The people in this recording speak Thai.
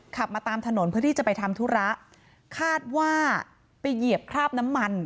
ขับมาตามถนนเพื่อที่จะไปทำธุระคาดว่าไปเหยียบคราบน้ำมัน